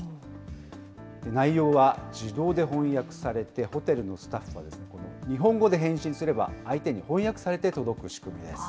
内容は自動で翻訳されて、ホテルのスタッフは、日本語で返信すれば、相手に翻訳されて届く仕組みです。